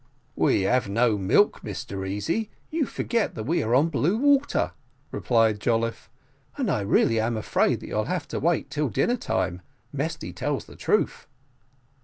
"We have no milk, Mr Easy; you forget that we are on blue water," replied Jolliffe, "and I really am afraid that you'll have to wait till dinner time. Mesty tells the truth."